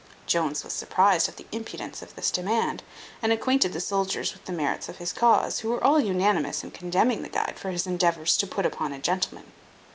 Jones was surprized at the impudence of this demand, and acquainted the soldiers with the merits of his cause, who were all unanimous in condemning the guide for his endeavours to put upon a gentleman.